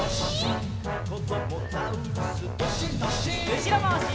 うしろまわし。